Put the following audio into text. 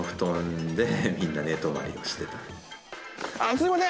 すみません